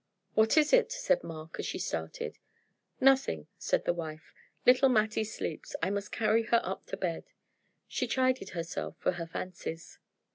"What is it?" said Mark, as she started. "Nothing," said the wife; "little Mattie sleeps; I must carry her up to bed." She chided herself for her fancies.